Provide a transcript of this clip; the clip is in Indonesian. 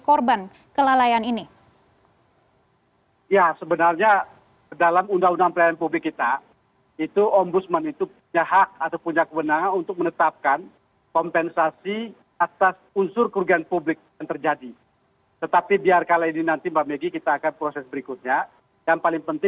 korban kelalaian ini